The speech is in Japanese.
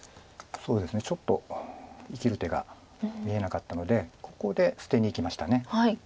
そうですねちょっと生きる手が見えなかったのでここで捨てにいきました。